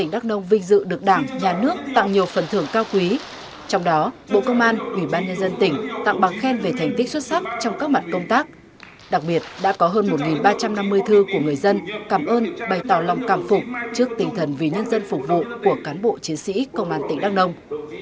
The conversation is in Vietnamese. đặc biệt tặng nhiều phần thưởng cao quý trong đó bộ công an ủy ban nhân dân tỉnh tặng bằng khen về thành tích xuất sắc trong các mặt công tác đặc biệt đã có hơn một ba trăm năm mươi thư của người dân cảm ơn bày tỏ lòng cảm phục trước tinh thần vì nhân dân phục vụ của cán bộ chiến sĩ công an tỉnh đắk nông